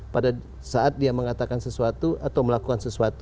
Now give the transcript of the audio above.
pada saat dia mengatakan sesuatu atau melakukan sesuatu